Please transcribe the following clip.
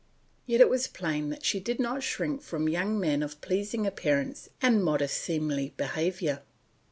Yet it was plain that she did not shrink from young men of pleasing appearance and modest seemly behaviour.